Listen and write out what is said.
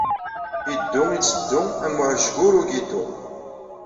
Iddu itteddu am uɛejgur ugiddu.